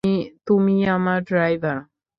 তুমি আমার ড্রাইভার!